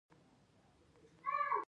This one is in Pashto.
بې پښتو کار مه کوه.